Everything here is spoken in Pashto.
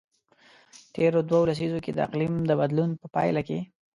تیرو دوو لسیزو کې د اقلیم د بدلون په پایله کې.